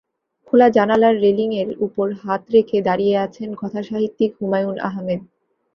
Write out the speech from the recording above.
খোলা জানালার রেলিংয়ের ওপর হাত রেখে দাঁড়িয়ে আছেন কথাসাহিত্যিক হুমায়ূন আহমেদ।